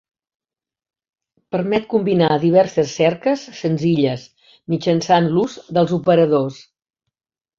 Permet combinar diverses cerques senzilles mitjançant l'ús dels operadors.